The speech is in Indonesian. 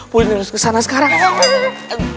pudin harus kesana sekarang ya